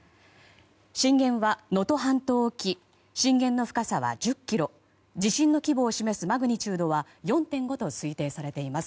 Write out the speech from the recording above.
震源は能登半島沖震源の深さは１０ｋｍ地震の規模を示すマグニチュードは４．５と推定されています。